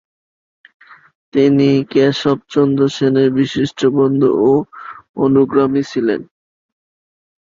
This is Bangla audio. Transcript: তিনি কেশবচন্দ্র সেনের বিশিষ্ট বন্ধু ও অনুগামী ছিলেন।